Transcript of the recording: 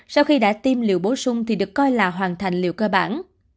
sau khi đã tiêm liều bổ sung thì được coi là hoàn thành liệu cơ bản